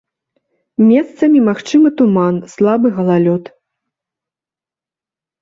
Месцамі магчымы туман, слабы галалёд.